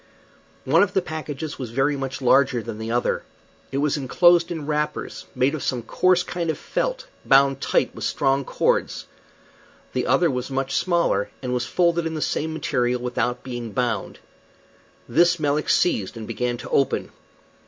One of the packages was very much larger than the other. It was enclosed in wrappers made of some coarse kind of felt, bound tight with strong cords. The other was much smaller, and, was folded in the same material without being bound. This Melick seized and began to open.